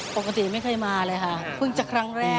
ปกติไม่เคยมาเลยค่ะเพิ่งจะครั้งแรก